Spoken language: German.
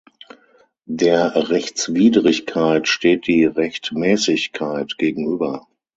Der Rechtswidrigkeit steht die Rechtmäßigkeit gegenüber.